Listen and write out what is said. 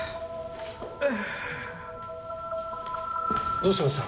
どうしました？